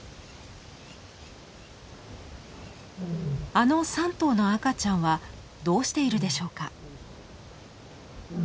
あの３頭の赤ちゃんはどうしているでしょうか。